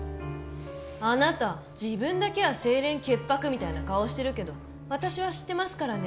あなた自分だけは清廉潔白みたいな顔してるけど私は知ってますからね。